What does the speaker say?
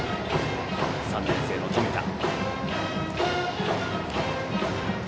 ３年生の冨田。